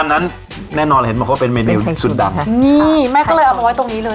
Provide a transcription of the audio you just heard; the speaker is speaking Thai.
นั้นแน่นอนเห็นบอกว่าเป็นเมนูสุดดังนี่แม่ก็เลยเอามาไว้ตรงนี้เลย